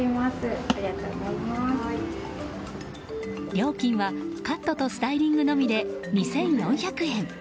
料金はカットとスタイリングのみで２４００円。